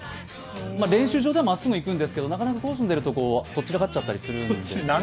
練習場ではまっすぐいくんですけどなかなかコースに出るととっちらかっちゃったりして。